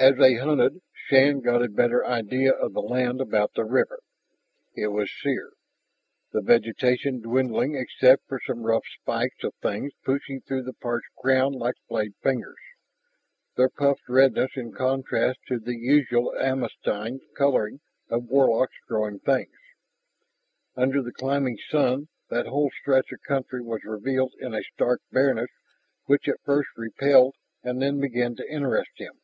As they hunted, Shann got a better idea of the land about the river. It was sere, the vegetation dwindling except for some rough spikes of things pushing through the parched ground like flayed fingers, their puffed redness in contrast to the usual amethystine coloring of Warlock's growing things. Under the climbing sun that whole stretch of country was revealed in a stark bareness which at first repelled, and then began to interest him.